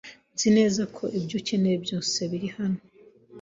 Nzi neza ko ibyo ukeneye byose biri hano.